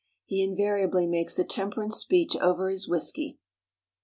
He invariably makes a temperance speech over his whisky."